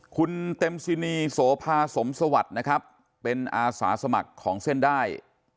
คุณเต็มซินีโสภาสมสวัสดิ์นะครับเป็นอาสาสมัครของเส้นได้